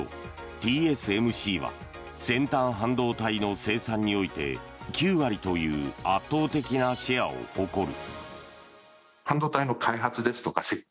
ＴＳＭＣは先端半導体の生産において９割という圧倒的なシェアを誇る。